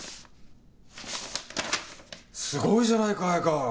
すごいじゃないか彩香。